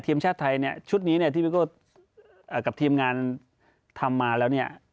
ทีมชาติไทยเนี่ยชุดนี้เนี่ยที่พี่โก้กับทีมงานทำมาแล้วเนี่ย